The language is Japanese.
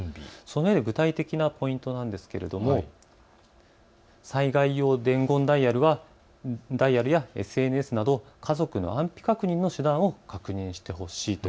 具体的なポイントなんですが、災害用伝言ダイヤルやＳＮＳなど家族の安否確認の手段を確認してほしいと。